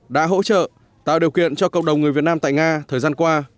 đã hỗ trợ tạo điều kiện cho cộng đồng người việt nam tại nga thời gian qua